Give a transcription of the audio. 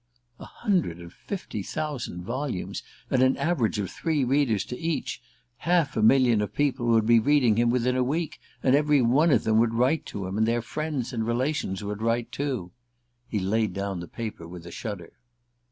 A hundred and fifty thousand volumes! And an average of three readers to each! Half a million of people would be reading him within a week, and every one of them would write to him, and their friends and relations would write too. He laid down the paper with a shudder.